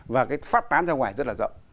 và cái phát tán ra ngoài rất là rộng